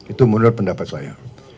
itu menurut pendapat saya